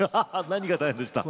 何が大変でした？